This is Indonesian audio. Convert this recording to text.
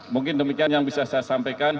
mungkin demikian yang bisa saya sampaikan